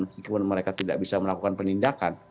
meskipun mereka tidak bisa melakukan penindakan